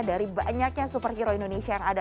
dari banyaknya superhero indonesia yang ada